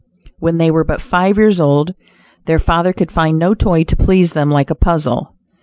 When they were but five years old, their father could find no toy to please them like a puzzle.